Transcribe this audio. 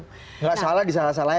enggak salah disalah salahin